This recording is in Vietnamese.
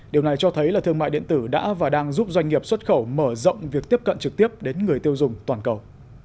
điều này cho thấy là thương mại điện tử đã và đang giúp doanh nghiệp xuất khẩu mở rộng việc tiếp cận trực tiếp đến người tiêu dùng toàn cầu